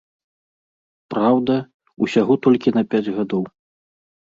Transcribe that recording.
Праўда, усяго толькі на пяць гадоў.